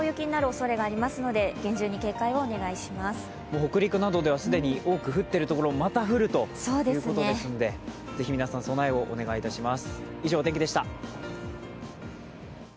北陸などでは既に多く降っているところもまた降るということですので是非、皆さん、備えをお願いします。